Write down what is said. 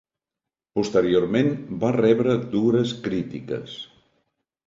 Posteriorment, va rebre dures crítiques.